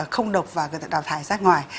không độc và đào thải ra ngoài